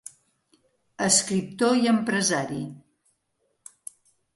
Escriptor i empresari.